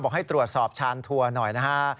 ให้ตรวจสอบชานทัวร์หน่อยนะฮะ